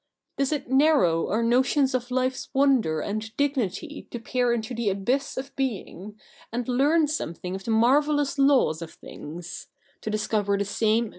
Does it narrow our notions of life's wonder and dignity to peer into the abyss of being, and learn something of the marvellous laws of things— to discover the same 156 THE NEW REPUBLIC [bk.